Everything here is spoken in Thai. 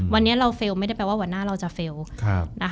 วันนี้เราเฟลล์ไม่ได้แปลว่าวันหน้าเราจะเฟลล์